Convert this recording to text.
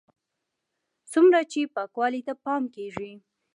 څومره چې پاکوالي ته پام کېږي.